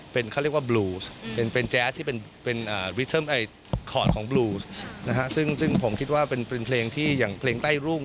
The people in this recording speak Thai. เป็นเขาเรียกว่าบลูสเป็นแจ๊สที่เป็นคอร์ดของบลูสนะฮะซึ่งผมคิดว่าเป็นเพลงที่อย่างเพลงใต้รุ่ง